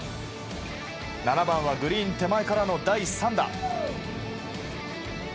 ７番はグリーン手前からの第３打。